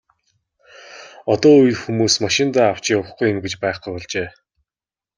Одоо үед хүмүүс машиндаа авч явахгүй юм гэж байхгүй болжээ.